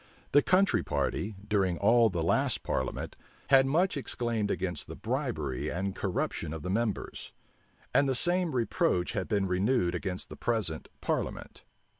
The country party, during all the last parliament, had much exclaimed against the bribery and corruption of the members; and the same reproach had been renewed against the present parliament.